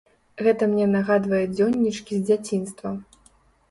Гэта мне нагадвае дзённічкі з дзяцінства.